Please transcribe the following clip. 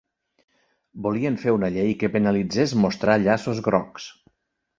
Volien fer una llei que penalitzés mostrar llaços grocs